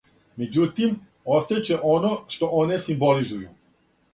Међутим, остаће оно што оне симболизују.